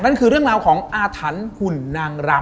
นั่นคือเรื่องราวของอาถรรพ์หุ่นนางรำ